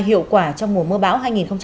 hiệu quả trong mùa mưa bão hai nghìn một mươi sáu